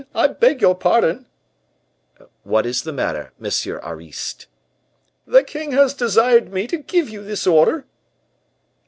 I beg your pardon " "What is the matter, Monsieur Ariste?" "The king has desired me to give you this order."